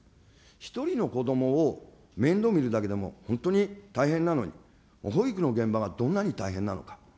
１人のこどもを面倒見るだけでも本当に大変なのに、保育の現場はどんなに大変なのか。